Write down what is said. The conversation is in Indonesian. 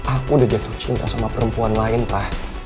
aku udah jatuh cinta sama perempuan lain pak